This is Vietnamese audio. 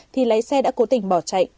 thì lái xe đã cố tình bỏ chạy